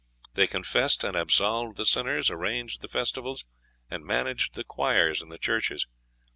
They confessed and absolved the sinners, arranged the festivals, and managed the choirs in the churches.